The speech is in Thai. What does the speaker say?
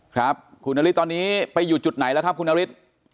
ครับคุณนฤทธิตอนนี้ไปอยู่จุดไหนแล้วครับคุณนฤทธิ์